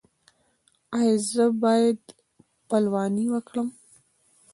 ایا زه باید پلوانی وکړم؟